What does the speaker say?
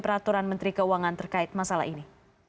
peraturan menteri keuangan terkait masalah ini